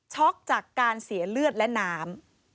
๑ช็อคจากการเสียเลือดและหนาม